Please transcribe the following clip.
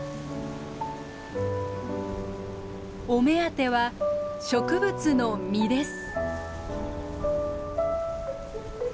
お目当ては植物の実です。